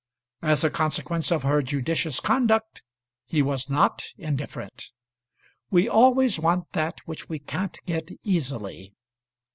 As a consequence of her judicious conduct he was not indifferent. We always want that which we can't get easily.